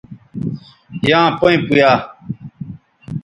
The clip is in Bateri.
یاں پیئں پویا